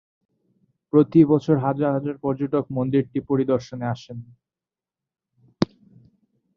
প্রতি বছর হাজার হাজার পর্যটক মন্দিরটি পরিদর্শনে আসেন।